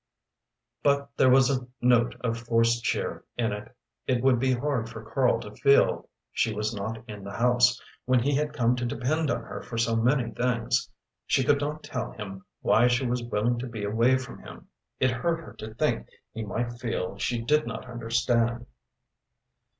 But there was a note of forced cheer in it. It would be hard for Karl to feel she was not in the house, when he had come to depend on her for so many things. She could not tell him why she was willing to be away from him. It hurt her to think he might feel she did not understand.